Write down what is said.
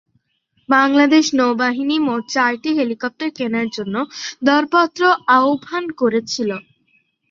বাংলাদেশ নৌবাহিনী মোট চারটি হেলিকপ্টার কেনার জন্য দরপত্র আহ্বান করেছিল।